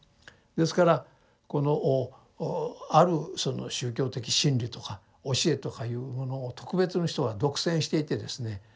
ですからこのあるその宗教的真理とか教えとかいうものを特別の人が独占していてですね